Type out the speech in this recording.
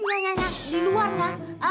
ya ya ya di luarnya